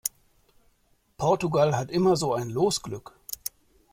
Portugal hat immer so ein Losglück!